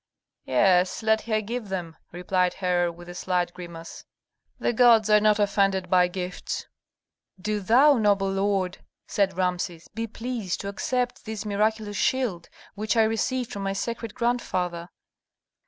"Yes, let her give them," replied Herhor, with a slight grimace. "The gods are not offended by gifts." "Do thou, noble lord," said Rameses, "be pleased to accept this miraculous shield, which I received from my sacred grandfather."